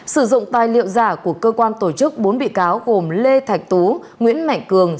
sử dụng tài liệu giả của cơ quan tổ chức bốn bị cáo gồm lê thạch tú nguyễn mạnh cường